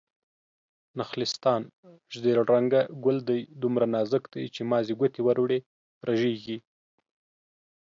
نخلستان: زيړ رنګه ګل دی، دومره نازک دی چې مازې ګوتې ور وړې رژيږي